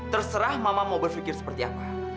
terserah mama mau berpikir seperti apa